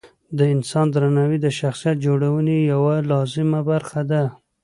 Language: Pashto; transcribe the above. د انسان درناوی د شخصیت جوړونې یوه لازمه برخه ده.